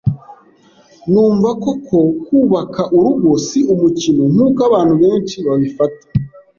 numva koko kubaka urugo si umukino nkuko abantu benshi babifata,